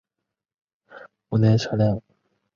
目前车辆通行方向为由东往西单向通行。